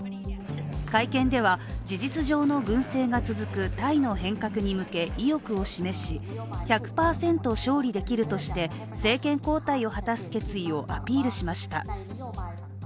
会見では、事実上の軍政が続くタイの変革に向け意欲を示し、１００％勝利できるとして政権交代を果たす決意をアピールしました。